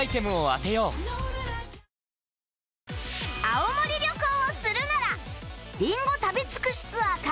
青森旅行をするならりんご食べ尽くしツアーか